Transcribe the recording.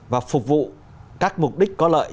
và phục vụ các mục đích có lợi